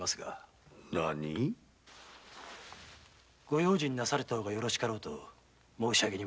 ご用心なされた方がよいかと。